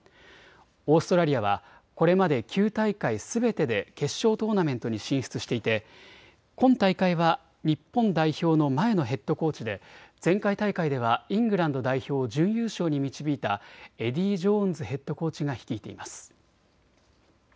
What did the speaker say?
オーストラリアはこれまで９大会すべてで決勝トーナメントに進出していて今大会は日本代表の前のヘッドコーチで前回大会ではイングランド代表を準優勝に導いたエディー・ジョーンズヘッドコーチが率いています。